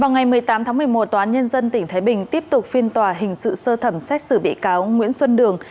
vào ngày một mươi tám tháng một mươi một tòa án nhân dân tỉnh thái bình tiếp tục phiên tòa hình sự sơ thẩm xét xử bị cáo nguyễn xuân đường